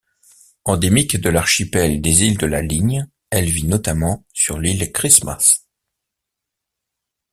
Endémique de l'archipel des îles de la Ligne, elle vit notamment sur l'île Christmas.